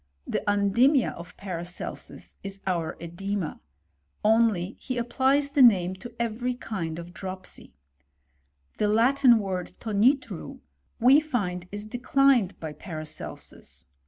The undimia of Patacetetit is our cedema ; only he applies the name to every kind of dropsy. The Latin word tonitru, we find is declined by Paracelsus.